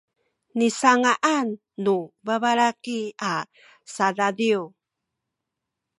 nisanga’an nu babalaki a sadadiw